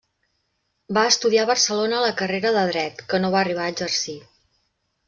Va estudiar a Barcelona la carrera de Dret, que no va arribar a exercir.